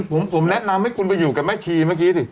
ผมแนะนำให้คุณไปอยู่กับแม่ชีเมื่อกี้สิ